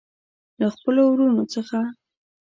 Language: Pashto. له خپلو وروڼو څخه.